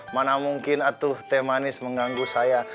mana mungkin atuh teh manis mengganggu saya